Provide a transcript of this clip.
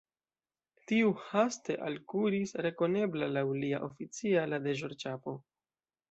Tiu haste alkuris, rekonebla laŭ lia oficiala deĵorĉapo.